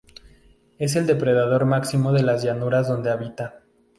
Es el depredador máximo de las llanuras donde habita.